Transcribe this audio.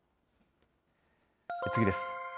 次です。